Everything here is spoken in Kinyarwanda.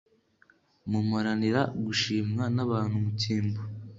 Mumaranira gushimwa n abantu mu cyimbo